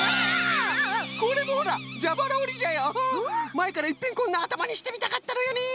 まえからいっぺんこんなあたまにしてみたかったのよね。